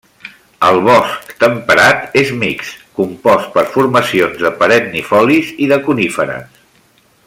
El bosc temperat és mixt, compost per formacions de perennifolis i de coníferes.